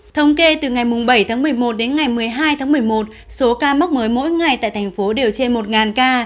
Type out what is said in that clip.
thống kê từ ngày bảy tháng một mươi một đến ngày một mươi hai tháng một mươi một số ca mắc mới mỗi ngày tại thành phố đều trên một ca